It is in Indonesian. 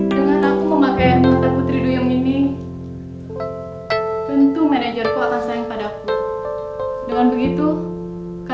jangan lupa untuk menikmati video selanjutnya